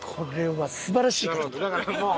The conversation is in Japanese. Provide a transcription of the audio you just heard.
だからもう。